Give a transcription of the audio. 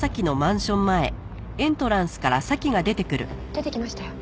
出てきましたよ。